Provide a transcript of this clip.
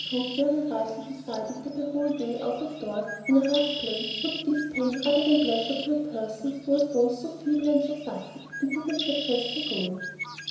Hope very rightly decided that a whole day out of doors, in a rough place, would give pain rather than pleasure to a person who was both so feeble and so fussy, and did not suggest her going.